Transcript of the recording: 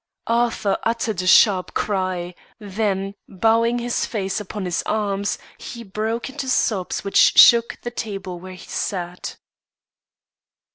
Arthur uttered a sharp cry; then, bowing his face upon his aims, he broke into sobs which shook the table where he sat.